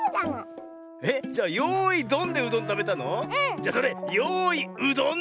じゃそれ「よいうどん！」